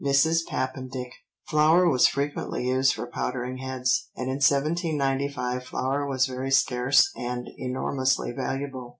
(Mrs. Papendick.) Flour was frequently used for powdering heads, and in 1795 flour was very scarce and enormously valuable.